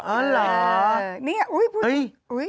อ๋อเหรอนี่อุ๊ยพูดอุ๊ย